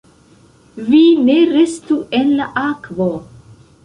"Vi ne restu en la akvo!"